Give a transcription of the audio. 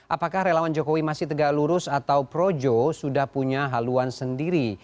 apakah relawan jokowi masih tegak lurus atau projo sudah punya haluan sendiri